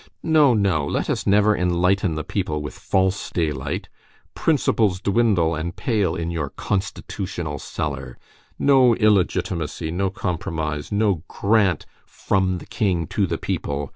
No! no! let us never enlighten the people with false daylight. Principles dwindle and pale in your constitutional cellar. No illegitimacy, no compromise, no grant from the king to the people.